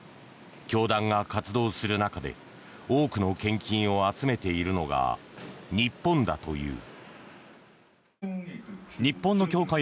教団が活動する中で多くの献金を集めているのが日本だという。